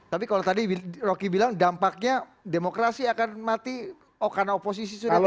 tapi kalau tadi rocky bilang dampaknya demokrasi akan mati karena oposisi sudah tidak